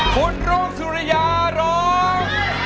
ฝุ่นโรงสุริยาร้อง